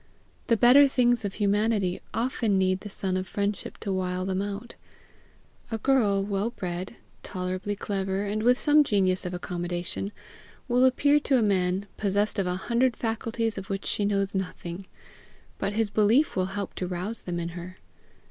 The better things of humanity often need the sun of friendship to wile them out. A girl, well bred, tolerably clever, and with some genius of accommodation, will appear to a man possessed of a hundred faculties of which she knows nothing; but his belief will help to rouse them in her.